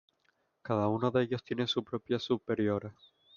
Cada uno de ellos tiene su propia superiora.